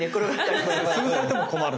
潰されても困る。